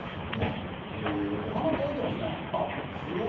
お花届いてますね。